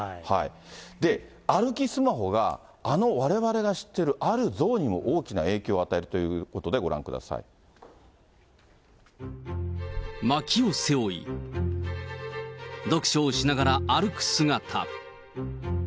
で、歩きスマホが、あのわれわれが知ってるある像にも大きな影響を与えているというまきを背負い、読書をしながら歩く姿。